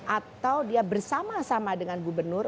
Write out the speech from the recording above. atau dia bersama sama dengan gubernur